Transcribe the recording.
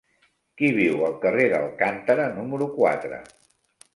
Qui viu al carrer d'Alcántara número quatre?